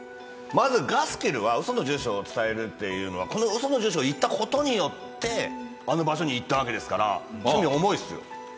まずガスキルは嘘の住所を伝えるっていうのは嘘の住所を言ったことによってあの場所に行ったわけですから罪重いっすよ。